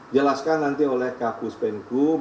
jelaskan nanti oleh kak huspenkum